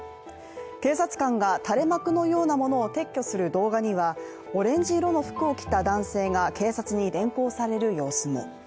警察官が垂れ幕のようなものを撤去する動画にはオレンジ色の服を着た男性が警察に連行される様子も。